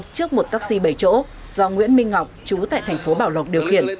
trước một taxi bầy chỗ do nguyễn minh ngọc chú tại tp bảo lộc điều khiển